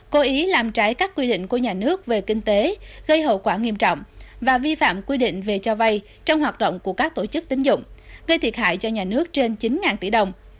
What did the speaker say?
cố ý làm trái các quy định của nhà nước về kinh tế gây hậu quả nghiêm trọng và vi phạm quy định về cho vay trong hoạt động của các tổ chức tính dụng gây thiệt hại cho nhà nước trên chín tỷ đồng